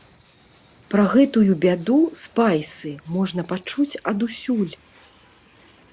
Пра гэтую бяду, спайсы, можна пачуць адусюль.